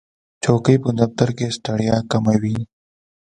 چوکۍ په دفتر کې ستړیا کموي.